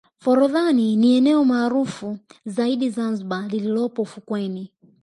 forodhani ni eneo maarufu zaidi zanzibar lililopo ufukweni